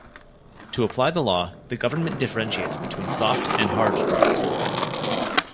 To apply the law, the government differentiates between "soft" and "hard" drugs.